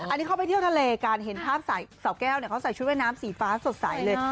อันนี้เขาไปเที่ยวทะเลกันเห็นภาพสาวแก้วเขาใส่ชุดว่ายน้ำสีฟ้าสดใสเลย